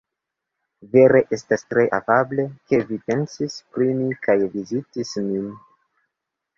Vere estas tre afable, ke vi pensis pri mi kaj vizitis min.